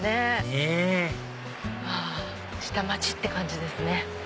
ねぇあ下町って感じですね。